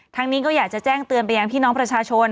นี้ก็อยากจะแจ้งเตือนไปยังพี่น้องประชาชน